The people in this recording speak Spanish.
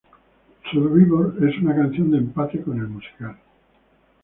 Survivor es una canción de empate con el musical.